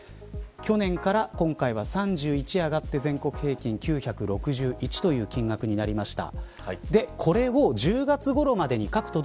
去年から、今回は３１円上がって全国平均９６１円という金額になりました。